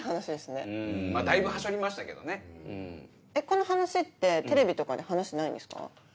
この話ってテレビとかで話してないんですか？